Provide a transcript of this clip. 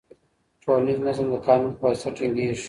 ټولنیز نظم د قانون په واسطه ټینګیږي.